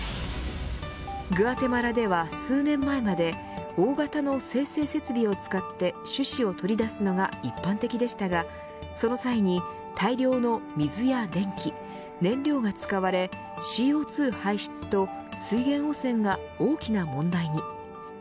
グアテマラでは数年前まで大型の精製設備を使って種子を取り出すのが一般的でしたがその際に大量の水や電気燃料が使われＣＯ２排出と水源汚染が大きな問題に。